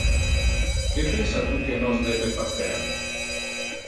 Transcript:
Que pensa tu que nos debe facer?